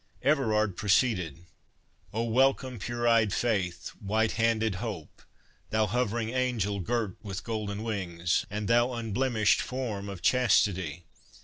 Everard proceeded:— "'O welcome pure eyed Faith, white handed Hope, Thou hovering angel, girt with golden wings, And thou unblemish'd form of Chastity!